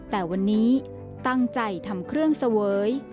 แต่วันนี้ตั้งใจทำเครื่องเสวย